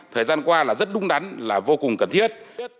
thời gian qua là rất đúng đắn là vô cùng cần thiết